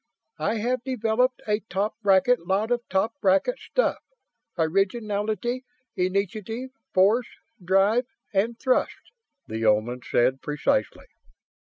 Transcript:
I have developed a top bracket lot of top bracket stuff originality, initiative, force, drive and thrust," the Oman said precisely.